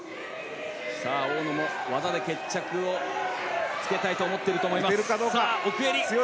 大野も技で決着をつけたいと思っていると思います。